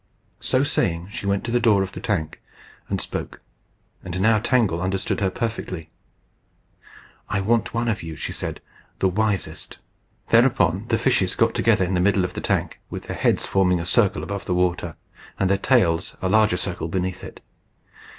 So saying she went to the door of the tank, and spoke; and now Tangle understood her perfectly. "I want one of you," she said, "the wisest." Thereupon the fishes got together in the middle of the tank, with their heads forming a circle above the water, and their tails a larger circle beneath it.